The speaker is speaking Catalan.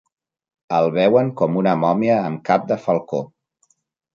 El veuen com una mòmia amb cap de falcó.